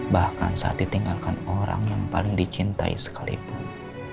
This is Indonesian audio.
bahkan saat ditinggalkan orang yang paling dicintai sekalipun